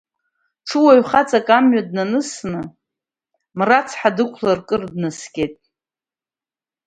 Ҽуаҩ хаҵак мҩа данысны, мрацҳа дықәлан кыр днаскьеит.